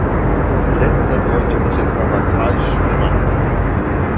Letzter deutscher Besitzer war Carl Schünemann.